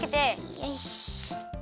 よし。